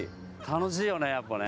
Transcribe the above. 楽しいよねやっぱね。